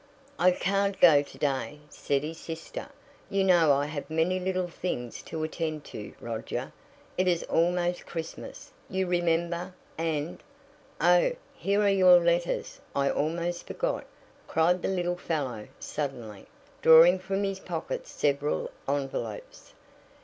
"I can't go to day," said his sister. "You know I have many little things to attend to, Roger. It is almost Christmas, you remember, and " "Oh, here are your letters; I almost forgot!" cried the little fellow suddenly, drawing from his pocket several envelopes.